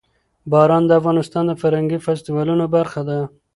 باران د افغانستان د فرهنګي فستیوالونو برخه ده.